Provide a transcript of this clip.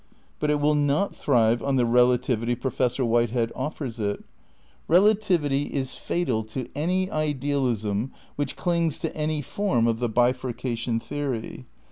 But it will not thrive on the relativity Pro fessor Whitehead offers it. Relativity is fatal to any idealism which clings to any form of the bifurcation theory.